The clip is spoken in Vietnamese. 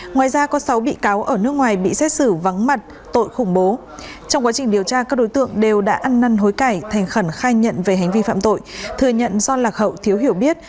ngoài ra có sáu bị cáo ở nước ngoài bị xét xử vắng mặt tội khủng bố trong quá trình điều tra các đối tượng đều đã ăn năn hối cải thành khẩn khai nhận về hành vi phạm tội thừa nhận do lạc hậu thiếu hiểu biết